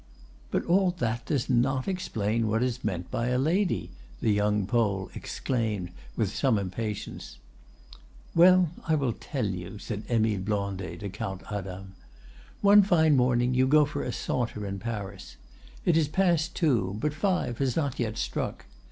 "But all that does not explain what is meant by a lady!" the young Pole exclaimed, with some impatience. "Well, I will tell you," said Émile Blondet to Count Adam. "One fine morning you go for a saunter in Paris. It is past two, but five has not yet struck.